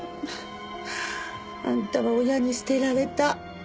あんたは親に捨てられた。